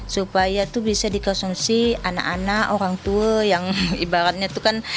supaya itu bisa dikonsumsi anak anak orang tua yang ibaratnya itu kan